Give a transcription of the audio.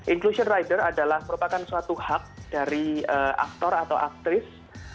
inclusion rider adalah merupakan suatu hak dari aktor atau aktris